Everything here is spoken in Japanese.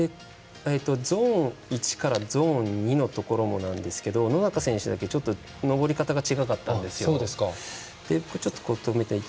ゾーン１からゾーン２のところもなんですけど野中選手だけ、ちょっと登り方が違ったんですよ。